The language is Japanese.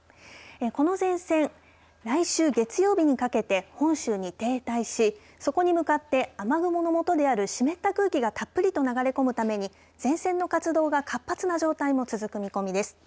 この前線来週月曜日にかけて本州に停滞しそこに向かって雨雲のもとである湿った空気がたっぷりと流れ込むために前線の活動が活発な状態も続く見込みです。